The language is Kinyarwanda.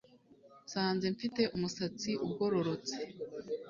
Nsanze mfite umusatsi ugororotse